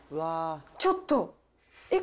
ちょっと、えっ？